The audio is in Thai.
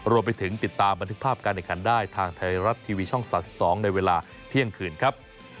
รวมไปถึงติดตามบันทึกภาพการแข่งขันได้ทางไทยรัฐทีวีช่อง๓๒ในเวลาเที่ยงคืนครับ